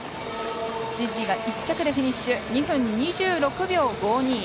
ジッリが１着でフィニッシュ２分２６秒５２。